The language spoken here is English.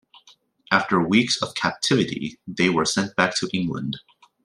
After five weeks of captivity, they were sent back to England.